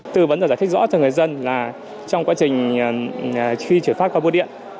tư vấn và giải thích rõ cho người dân là trong quá trình khi chuyển phát qua bưu điện